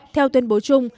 theo tuyên bố chung